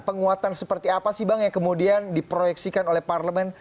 penguatan seperti apa sih bang yang kemudian diproyeksikan oleh parlemen